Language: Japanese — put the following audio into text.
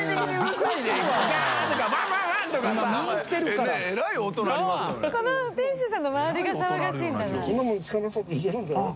この店主さんの周りが騒がしいんだな。